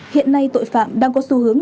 hiện nay tội phạm đang có xu hướng